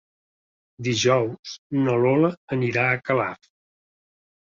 Dijous na Lola anirà a Calaf.